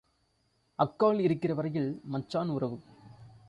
அக்காள் இருக்கிற வரையில் மச்சான் உறவு.